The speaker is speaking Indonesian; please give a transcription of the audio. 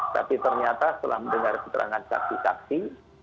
tapi ternyata setelah mendengar keterangan saksi saksi